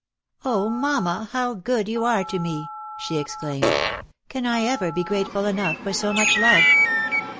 " mamma, how good you are to me! " she exclaimed. " Can I ever be grateful enough for so much love?"